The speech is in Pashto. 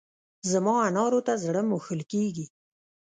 زما انارو ته زړه مښل کېږي.